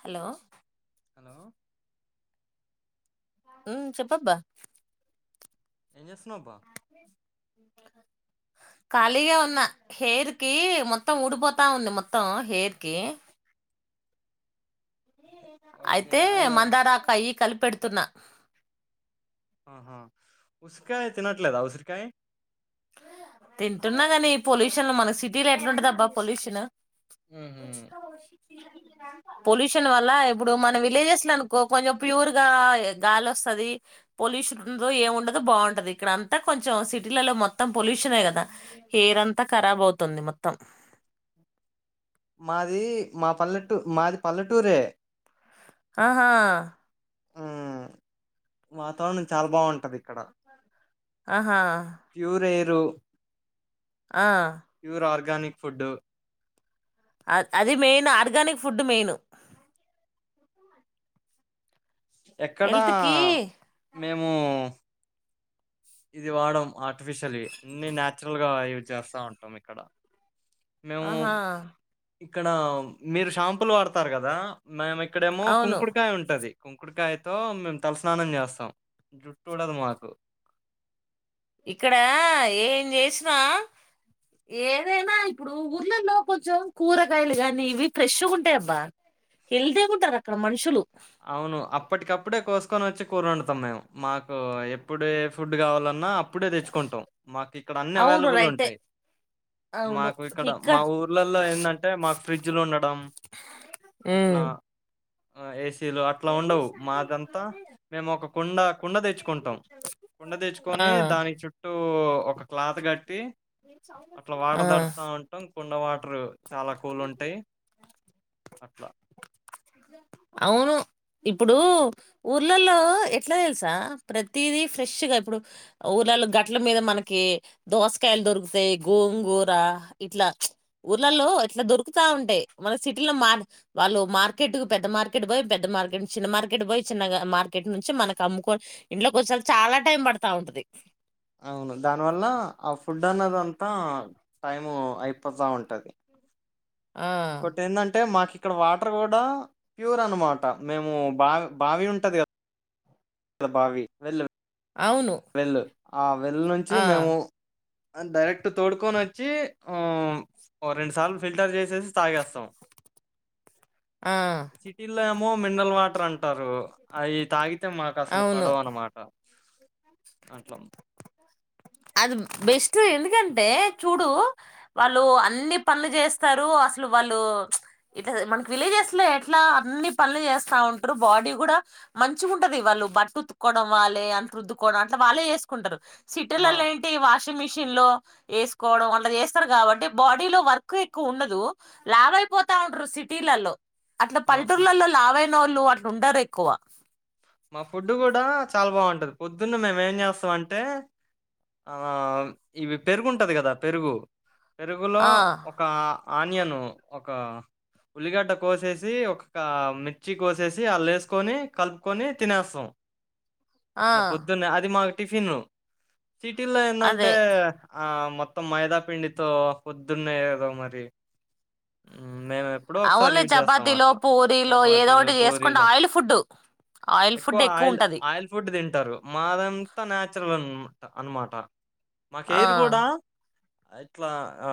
Hello hello ఉ చెప్పబ్బా ఏం చేస్తా [inaudible] ఖాళీగా ఉన్న హెయిర్ కి మొత్తం ఊడిపోతా ఉంది మొత్తం హెయిర్ కి ఓకే అయితే అయ మందారకాయి కలిపి పెడుతున్న ఆహా ఉసిరికాయ తినట్లేదా ఉసిరికాయ తింటున్నా కాని పొల్యూషన్ మన సిటీలో ఎట్లాలుంటద అబ్బా పొల్యూషన్ ఉహు రచకా [unintelligible] పొల్యూషన్ వల్ల ఇప్పుడు మన విలేజెస్ లో అనుకో కొంచెం ప్యూర్ గా గాలి వస్తుది పొల్యూషన్ ఏమి ఉండదుో బాగుంటది ఇక్కడ అంతా కొంచెం సిటీలలో మొత్తం మొత్తం పొల్యూషన్ ఏ కదా ఎయిర్ అంతా ఖరాబ్ అవుతుంది మొత్తం మాది మా పల్లెటూ మాది పల్లెటూరే ఆహా ఆ వాతావరణం చాలా బాగుంటది ఇక్కడ ఆహా ప్యూరేరు ఆ ఆర్గానిక్ ఫుడ్ అ అది మెయిన్ ఆర్గనిక్ ఫుడ్ మెయిన్ ఎక్కడా హెల్త్ కి మేము ఇది వాడం ఆర్టిఫిషియల్ అన్ని నచురల్ గా యూజ్ చేస్తా ఉంటాం ఇక్కడ మేము ఆహా ఇక్కడ మీరు షాంపులు వాడతారు కదా మేము ఇక్కడేమో అవును కుంకుడుకాయ ఉంటది కుంకుడుకాయతో మేము తలస్నానం చేస్తాం జుట్టుడదు మాకు ఇక్కడ ఏం చేసినా ఏదైనా ఇప్పుడు ఊర్లల్లో కొంచెం కూరగాయలు కానీ ఇవి ఫ్రెష్ ఉంటాయి అబ్బా హెల్తీగాగా ఉంటారు అక్కడ మనుషులు అవును అప్పటికప్పుడే కోస్త పసుకొని వచ్చి కూర వండుతాం మేము మాకు ఎప్పుడు ఏ ఫుడ్ కావాలన్నా అప్పుడే తెచ్చుకుంటాం మాకు ఇక్కడ అన్ని అవును అవైలబుల్ రైటే ఉంటాయి మాకు ఇక్కడ మా ఊర్లలో ఏంటంటే మాకు ఫ్రిడ్జ్లు ఉండడం ఇట్లా ఉమ్, ఆ ఏసి చీలు అట్లా ఉండవు మాదంతా మేము ఒక కుండ కుండ తెచ్చుకుంటాం కుండ ఆ తెచ్చుకొని దాని చుట్టూ ఒక క్లాత్ కట్టి అట్లా వాట ఆ తడుతా ఉంటాం కుండ వా చాలా కూల్ ఉంటాయి అట్లా అవును ఇప్పుడు ఊర్లలో ఎట్లా తెలుసా ప్రతిదీ ఫ్రెష్గా ఇప్పుడు ఊర్లలో గట్టల మీద మనకి దోసకాయలు దొరుకుతాయి గోంగూర ఇట్లా ఊర్లలో ఇట్లా దొరుకుతా ఉంటాయి మన సిటీలో మ వాళ్ళు మార్కెట్ పెద్ద మార్కెట్ పోయి పెద్ద మార్కెట్ చిన్న మార్కెట్ పోయి చిన్న మార్కెట్ నుంచి మనకు అమ్ముకోని ఇంట్లోకి వచ్చసారి చాలా టైం పడుతా ఉంటుది మొత్తా టైము అయిపోతా ఉంటది ఆ! ఇంకోటి ఏంటంటే మాకి ఇక్కడ వాటర్ కూడా ప్యూర్ అనమాట మేము బావి బావి ఉంటది కదా భావి వెళ్ళ అవును. ఆ వెల్లు నుంచి ఆ! మేము. డైరెక్ట్ తోడుకొని ఓచ్చి, అ రెండు సార్లు ఫిల్టర్ చేసేసి తాగేస్తాం. ఆ! సిటీల. మో మినరల్ వాటర్ అంటారు అవి తాగి అయితే మాకు అసలు అవును. పడవు అనమాట అట్ల అది బెస్ట్ ఎందుకంటే చూడు వాళ్ళు అన్ని పనులు చేస్తారు అసలు వాళ్ళు ఇ మనకి విలేజెస్ లో ఎట్లా అన్ని పనులు చేస్తా ఉంటారు బాడీ కూడా మంచి ఉంటది వాళ్ళు బట్టటు ఉతుక్కోవడం వాళ్ళే అంత రుద్దుకోవడం అట్లా వాళ్ళే చేసుకుంటారు పిల్ల మా ఏంటి వా మిషన్ లో వేసుకోవడం అలా చేస్తారు కాబట్టి బాడీ లో వర్క్ ఎక్కువ ఉండదు లావుఅయిపోతా ఉంటారు సిటీలలో అట్లా ఆహ్, హ్మ్. పల్లటూరులలో లావైన ఇంట్లోళ్ళు అట్లు ఉండరు ఎక్కువ. మా ఫుడ్ కూడా. చాలా బాగుంటది పొద్దున్న మేము ఏం చేస్తాం అంటే, ఆ ఇవి పెరుగుంటది కదా పెరుగు. పెరుగులో ఆ ఒక. ఆనియను, ఒక ఉల్లిగడ్డ కోసేసి, ఒక్క మిర్చి కోసేసి, అంల్లా ఏసుకొని కలు. కని తినేస్తాం. ఆ అట్లా పొద్దున్న అది మా. టిఫీను. సిటీలో ఏంటంటే అదే ఆ మొ. మొత్తం మైదా పపిండితో పొద్దున్నేదో మరి. మేము ఎప్పుడో ఒకసారి అవున్లే యూజ్ చేస్తాం చపాతీలో అట్లా పూరీలో ఏదో చపాతీలు ఒకటి చేసుకుంటం, పూరీలు ఆయిల్ ఫుడ్డు. ఎక్కువ ఆయిల్, ఆయిల్ ఫుడ్ తింటారు మా. అదంతా నేచురల్ అన్ అన్నమాట.. ఆ మాకేది కూడా. ఇట్లా ఆ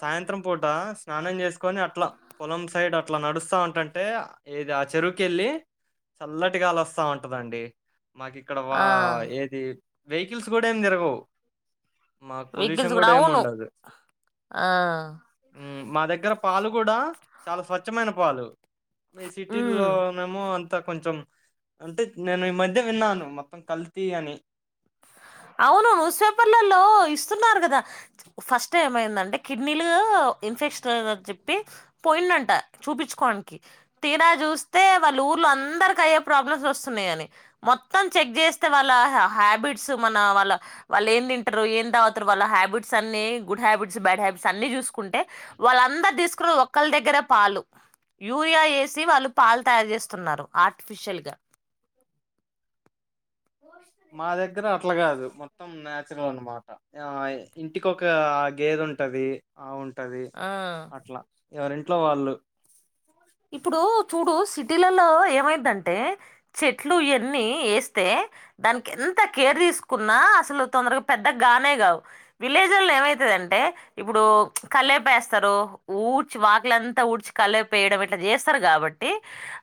సాయంత్రం పూట స్నానం చేసుకొని అట్లా పొలం సైడ్ అట్లా నడుస్తా ఉంటంటే ఇది ఆ చెరువుకెళ్ళి చల్ల. సుడి గాలివస్తా ఉంటదండి. మాకి ఇక్కడ వా ఆ ఏది. వెకిల్స్ కూడా ఏమి తిరగవు. మాకు పొల్యూషన్ వికీల్స్ కూడా ఏమి అవును ఉండదు ఆ. ఉమ్, మా దగ్గర పాలు కూడా, చాలా స్వచ్ఛమైన పాలు. మీ సిటీల్లో ఉమ్. నేమో. త కొంచెం. అంటే నేను ఈ మధ్య విన్నాను, మొత్తం కల్తీ అని. అవును ఉస్ పేపర్లలో ఇస్తున్నారు కదా ఫస్ట్ ఏమైందంటే కిడ్నీలు ఇన్ఫెక్షన్ అని చెప్పి పోయిండంట చూపించుకోవడానికి తీరా చూస్తే వాళ్ళ ఊర్లో అందరికి అయ్యే ప్రాబ్లమ్స్ వస్తున్నాయ అని మొత్తం చెక్ చేస్తే వాళ్ళ హ్యాబిట్ స్ మన వాళ్ళ వాళెం తింటారు ఏం తాగుతారు వాళ్ళ హ్యాబిట్స్ అన్ని గుడ్ హ్యాబిట్స్ బ్యాడ్ హ్యాబిట్స్ అన్ని చూసుకుంటే వాళ్ళందరు తీసుకురు ఒక్కల్ దగ్గరె పాలు యూరియా వేసి వాళ్ళు పాలు తాగే స్తున్నారు ఆర్టిఫిషియల్ గా మా దగ్గర అట్ల కాదు మొత్తం నాచురల్ అనమాట ఇంటికి ఒక గేద ఉంటది ఆ ఉంట వుంటది ఆ అట్ల ఎవరింట్లొ వాళ్ళు ఇప్పుడు చూడు సిటీలలో ఏమైతుంటే, చెట్లుఎన్నీ ఎస్తే దానికి ఎంత కేర్ తీసుకున్నా అసలు తొందరగా పెద్ద గానే గవు, విలేజ్లలో ఏమైతదంటే, ఇప్పుడు కళ్ళపి వేస్తారు ఊడ్చి వాకిలంతా ఊడ్చి కళ్ళపి ఎయడం. అట్లా చేస్తారు కాబట్టి,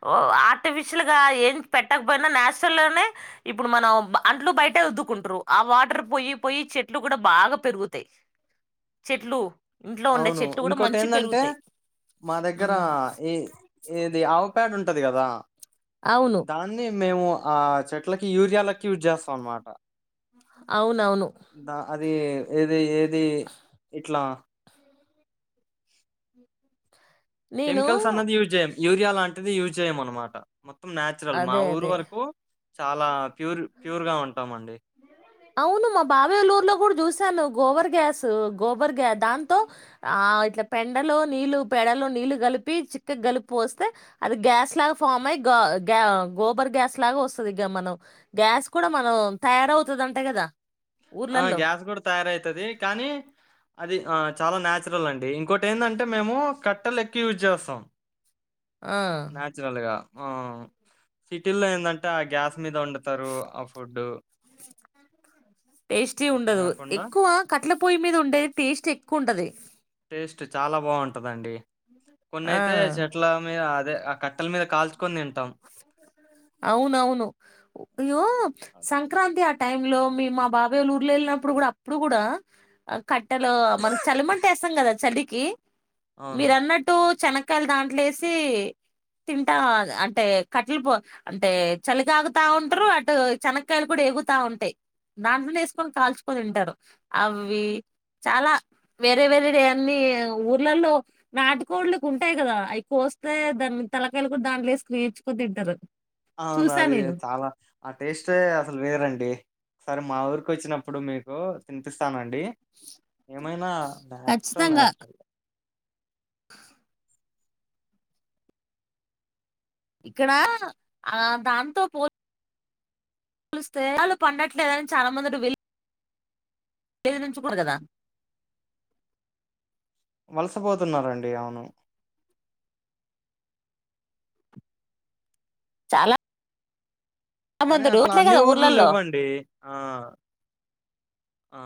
ఓ ఆర్టిఫిషియల్ గా ఏం పెట్టకపోయినా నాచురల్గానే, ఇప్పుడు మనం అంట్లు బయటే రుద్దుకుంటారు, ఆ వాటర్ పోయి పోయి చెట్లు కూడా బాగా పెరుగుతాయి, చెట్లు. ఇంట్లో ఉండే అవును చెట్లు కూడా ఇంకో మంచి ఏంటంటే పెరుగుతాయి మా దగ్గర ఉమ్, ఏ. ఏది అవ్. ఒక ప్యాడ్ ఉంటది కదా. అవును ధాన్యమ. మేము ఆ చెట్లకి యూరియాలకి యూజ్ చేస్తాం అనమాట అవున్ నవును దా అది ఏది ఏ ది ఇట్ల నేను కెమికల్స్ అన్నది యూజ్ చేయం యూరియ లాంటిది యూజ్ చేయమన్నమాట మొత్తం న్యాచురల్ మా అదే ఊరు అదే వరకు చాలా ప్యూర్ ప్యూర్ గా ఉంటామండి అవును మా బావే వాల్ల ఊర్లో కూడా జాస్ స్తను గోబర్ గ్యాస్ గోబర్ గ్య దాంతో ఆ ఇట్ల పెండలో నీళ్లు పెడలో నీళ్లు కలిపి చిక్క కలిపిపోస్తే అది గ్యాస్ లాగా ఫా అయి గోర్ గ్యాస్ లాగా వ స్తుతిగా మనం గ్యాస్ కూడా మనం తయారవు తది అంటే కదా ఆ ఊర్లల్లో గ్యాస్ కూడ తయారవుతది కానీ అది ఆ చాన న్యాచురల్ అండి ఇంకోటి ఏంటంటే మేము కట్టలు ఎక్కువ యూజ్ చేస్తాం ఆ న్యాచురల్ ఇగ ఆ సిటీల్లో ఏంటంటే ఆ గ్యాస్ మీద వండుతరు ఆ ఫుడ్డు టేస్టీ అట్లా ఉండదు కాకుండా ఎక్కువ కట్ల పొయ్యి మీద ఉండేది టేస్ట్ ఎక్కు కుండది టేస్ట్ చాల బాగుంటదండి కొన్ని అయితే ఆ చెట్ల మీద దే ఆ కట్టల మీద కాల్చుకొని తింటాం అవునవును నువ్ సంక్రాంతి అట్ట టైమ్ లో మీ మా బాబయ్య ఊర్లో వెళ్ళినప్పుడు కూడా అప్పుడు కూడా కట్టెలో మనకి చలిమంట వేస్తాం కదా చలికి ఓకే అవును. మీరు అన్నట్టు చెనక్కాయలు దాంట్లో వేసి తింటా అంటే కట్టల్ పో అంటే చలికా ఆగుతా ఉంటారు అటు చెనకాయలు కూడా ఎగుతా ఉంటాయి దాంట్నే వేసుకొని కాల్చుకొని తింటారు అవి చాలా వేరే వేరే అన్నిీ ఊర్లలో నాటుకోళ్కి ఉంటాయి కదా అవి కోస్తే దాన్ని తలకాయలు కూడా దాంట్లో వేసుకుని వేయంచుకొని తింటారు అవున చూసా అది నేను. చాల ఆ టేస్ట్ అసలు వేరండి ఒకసారి మా ఊరికి వచ్చినప్పుడు మీకు తినిపిస్తానండి డి ఏమైనా నాచురల్ ఖచ్చితంగా. నాచురల్ ఇక్కడ ఆ దాంతొ పోల్ వాలు స్థరాలు పండట్లేదని చాల మంది డు వెలు [unintelligible] ఉంచకూడదు కదా వలసపోతున్న్నారండి అవును చాలా కానీ మందురు అట్లా అట్లే అన్ని కదా ఊర్లు ఊర్లల్లో. ఇవ్వండి ఆ ఆ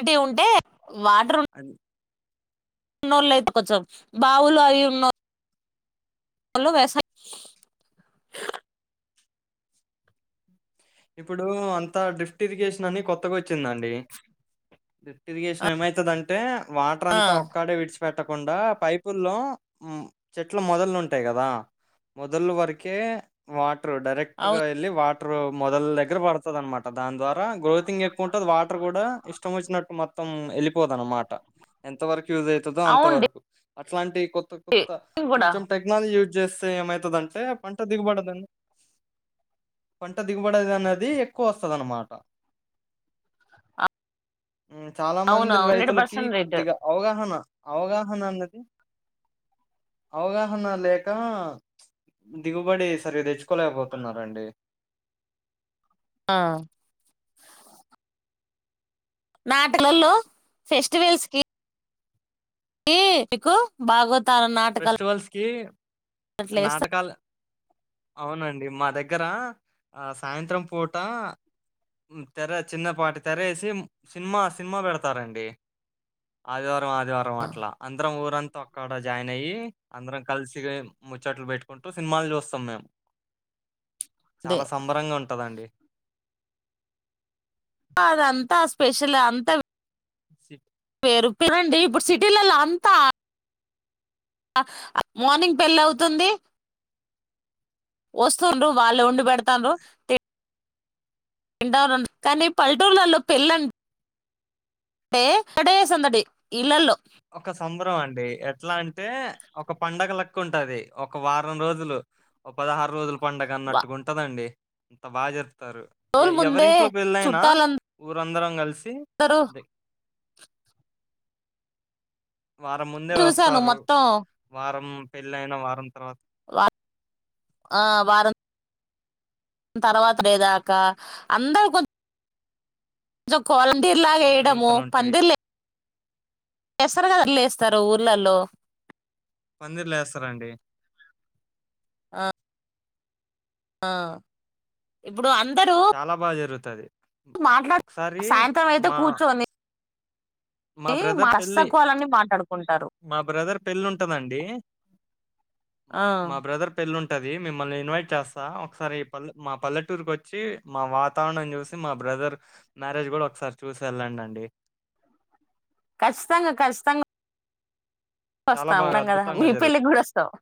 ఇటి ఉంటే వాటర్ అది న్నోళ్ళు అయితే కొంచెం బావులు అయి ఉనోళ్ళు చలో వేసా ఇప్పుడు అంత డ్రిఫ్ట్ ఇరిగేషన్ అని కొత్తగా వచ్చ వచ్చిందాండి బ్రిట్ ఇరిగేషన్ ఏమైతదంటే వాటర్ ఆ! అంతా ఒక్కడే విడ్చు పెట్టకుండా పైపుల్లో చెట్లు మొదలు ఉంటాయి కదా మొదలు వరకే వా టర్ డైరక్ట్ గా అవును. వెళ్ళి వాట్ టో మొదల దగ్గర పడుతుంది అనమాట దాని ద్వారా గ్రోతిింగ్ ఎక్కువ ఉంటంది వాటర్ కూడా ఇష్టం వచ్చినట్టు మొత్తం వెళ్ళిపోద అనమాట ఎంత వరకు యూజ్ అవుతుందో అంత అవును డి- వరకు అట్లాంటిక్ కొత్త కొత్త కూడా కొంచెం టెక్నాలజీ చేస్తే ఏమయిత దంటే పంట దిగుబడదండి వుంది అండి దిగుబడది అన్నది ఎక్కువ వస్తుంది అన్నమాట చాలా మంది అవునవును. రైతులకి రేట్. కొద్దిగా అవగాహన అవగాహన అన్నది అవగాహన లేక దిగుబడి సరి తెచ్చుకోలేకపోతున్నారండి ఆ నాటలలో ఫెస్టివెల్స్ కి ఏ ఎకు భాగత్ ఫెస్టివల్స్ కి అట్లా ఏస్తారు. నాటకాలు అవునండి మ దగ్గర ఆ సాయంత్రం పూట తెర చిన్నపాటి తెరేసి సినిమా సినిమా పెడతారండి అది ఆదివారం అట్ల అందరం ఊరంతా తక్కకాడా జాయిన్ అయ్యి అందరం కలిసి ముచ్చట్లు పెట్టుకుంటూ సినిమాలు చూస్తాం మేము అదే చాలా సంబరంగా ఉంటదండి అ అద అంతా స్పెషల్ అంతా చెట్ పేరు పేరండి ఇప్పుడు సిటీలలో అంతా మార్నింగ్ పెళ్ళి అవుతుంది వస్తుండ్రు వాళ్ళే ఉండి పెెడతాను్ర ఎంట ఉ కానీ పల్లెటూరులలో పెళం అంటే సందడే సందడి ఇళ్లల్లో ఒక సముందరం అండి ఎట్లా అంటే ఒక పండగ లెకు ఉంటది ఒక వారం రోజులు ఒక పదహారు రోజులు పండుగ అన్నట్టుకుంటదండి అంత బా చెతారు రోజుల ఎ ముందే ఎవరింట్లో పెళ్ళైనా చుట్టాలందరూ ఊరందరం కలిసి ద వారం ముందే చూసాను వస్తారు మొత్తం వారం పెళ్ళ అయిన వారం తర్వాత వా ఆ వారం తర్వాత లేదాకా అందరు కొ కొలం లాగ వేయడము అప్పగింతలు ఉంటాయి పందిర్ లే ఎస్ సరగాదిలేస్తారు ఊర్లల్లో పందిలేస్తారాండి అ అ ఇప్పుడు అందరూ సరే మాట్లాడు సాయంత్రం అయితే మా కూర్చోని మా ఏ బ్రదర్ పెళ్ళి మాక్కువాలన్నీ మాట్లాడుకో మా బ్రదర్ పెళ్ళి ఉంటందండి ఆ మా బ్రదర్ పెళ్ళుంటే ఉంటంది మిమ్మల్ని ఇన్వైట్ చేస్తా ఒకసారిల్ల మా పల్లెటూరుకి వచ్చి మా వాతావరణం చూసి మా బ్రదర్ మ్యారేజ్ కూడా ఒకసారి చూసి వెళ్ళండి అండి ఖచ్చితంగా ఖచ్చితంగా చాలా వస్తాము బాగా కదా అద్భుతంగా మీ పెళ్ళికి జరుగుతది. కూడా వస్తావు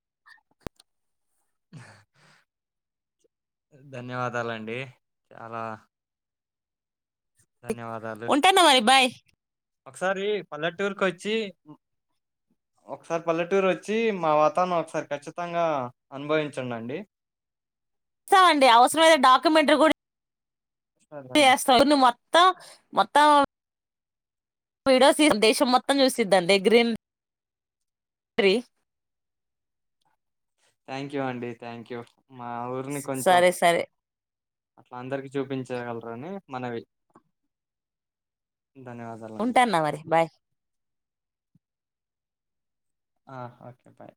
[inaudible] ధన్యవాదాలండి చాలా ధన్యవాదాలు. ఉంటాన్న మరిబ్ బాయ్ ఒకసారి పల్లెటూరుకి వచ్చి ఒకసారి పల్లెటూరు వచ్చి మా వాతావరణం ఒకసారి ఖచ్చితంగా అనుభవించం అండి చేస్తామండి అవసరమైన డాక్యుమెంటట్ కూడా సరే అండి. స్త మ మత్తా మత్త విడస్ దేశ మొత్తం న్యూస్ద్త గ్రీన్ థ్యాంక్ యూ అండి థ్యాంక్ యూ మా స ఊరిని కొంచెం సరే సరే అందరికి చూపించగలరు అని మనవి ధన్యవాదాలండి. ఉంటాన్న మరి బాయ్ ఆ ఓకే బాయ్